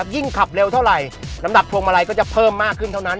ยิ่งขับเร็วเท่าไหร่น้ำหนักพวงมาลัยก็จะเพิ่มมากขึ้นเท่านั้น